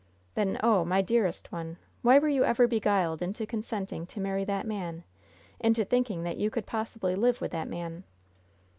"Then, oh, my dearest one! why were you ever beguiled into consenting to marry that man into thinking that you could possibly live with that man?"